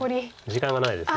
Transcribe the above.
時間がないです。